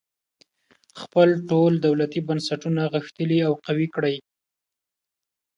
خپل ټول دولتي بنسټونه غښتلي او قوي کړي.